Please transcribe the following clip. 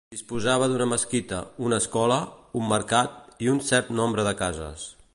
Disposava d'una mesquita, una escola, un mercat i un cert nombre de cases.